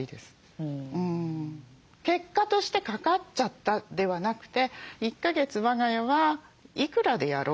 結果としてかかっちゃったではなくて１か月我が家はいくらでやろう。